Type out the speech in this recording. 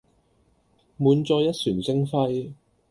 滿載一船星輝